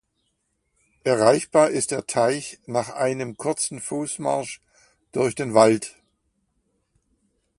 Erreichbar ist der Teich nach einem kurzen Fußmarsch durch den Wald.